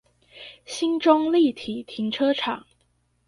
興中立體停車場